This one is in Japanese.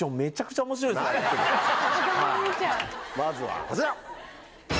まずはこちら。